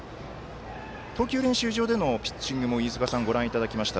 投球練習場でのピッチングを飯塚さんにご覧いただきました。